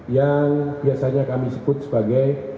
yang biasanya kami sebut sebagai